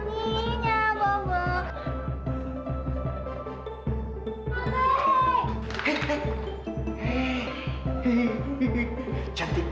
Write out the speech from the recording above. eh jangan gitu